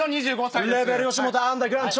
レーベル吉本アンダーグラウンド。